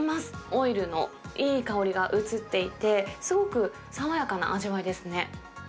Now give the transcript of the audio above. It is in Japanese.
オイルのいい香りが移っていて、すごく爽やかな味わいですね。